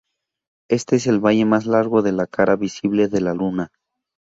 Este es el valle más largo de la cara visible de la Luna.